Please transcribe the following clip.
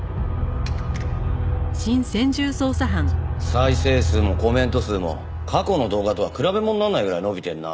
再生数もコメント数も過去の動画とは比べものにならないぐらい伸びてるな。